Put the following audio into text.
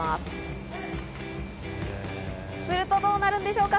するとどうなるんでしょうか。